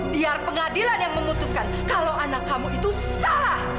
biar pengadilan yang memutuskan kalau anak kamu itu salah